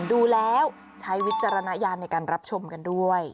ดูแล้วใช้วิจารณญาณในการรับชมกันด้วย